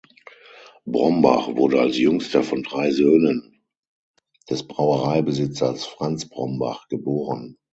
Brombach wurde als jüngster von drei Söhnen des Brauereibesitzers Franz Brombach geboren.